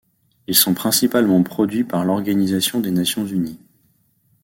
Ils sont principalement produits par l'Organisation des Nations unies.